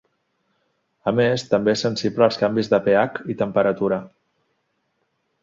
A més, també és sensible als canvis de pH i temperatura.